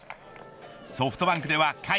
ソフトバンクでは甲斐